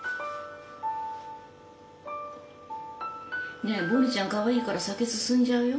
ねえボニーちゃんかわいいから酒進んじゃうよ。